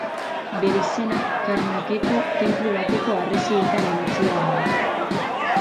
Bere izena, Karnakeko tenplu bateko harresietan idatzia dago.